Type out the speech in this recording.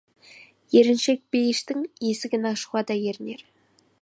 Еріншек бейіштің есігін ашуға да ерінер.